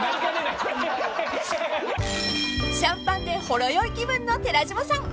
［シャンパンでほろ酔い気分の寺島さん］